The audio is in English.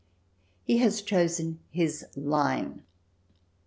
He has chosen his line.